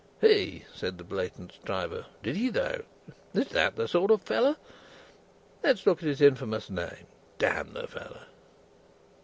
"Hey?" cried the blatant Stryver. "Did he though? Is that the sort of fellow? Let us look at his infamous name. D n the fellow!"